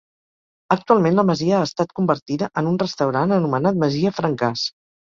Actualment la masia ha estat convertida en un restaurant anomenat Masia Francàs.